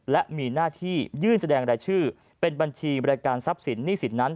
และมีหน้าที่ยื่นแสดงรายชื่อเป็นบัญชีบริการทรัพย์สินหนี้สินนั้น